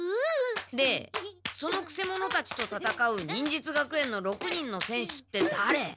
でそのくせ者たちとたたかう忍術学園の６人の選手ってだれ？